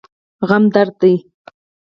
غم درد دی.